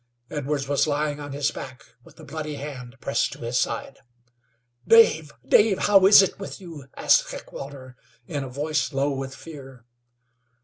Edwards was lying on his back, with a bloody hand pressed to his side. "Dave, Dave, how is it with you?" asked Heckewelder, in a voice low with fear.